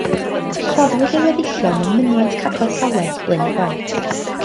Claddwyd ei weddillion ym mynwent Capel Salem, Blaenau Gwent.